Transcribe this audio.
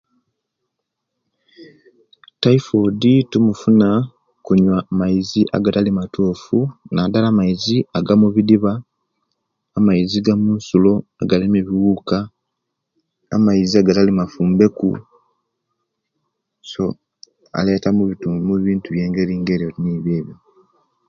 Taifoidi tumufuna mukunywa maizi agatali amatuufu naddala amaizi agamumadiba, amaizi agamunsulo, agalimu ebiwuuka, amaizi agatali amafumbeku so galeta omubitudu ebintu byengeringeari nga eyo.